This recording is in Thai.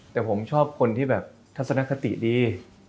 แต่ผมชอบคนที่แบบทัศนคติดี